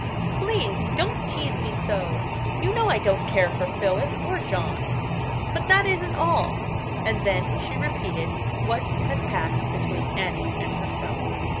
"Please don't tease me so. You know I don't care for Phillis or John; but that isn't all." And then she repeated what had passed between Annie and herself.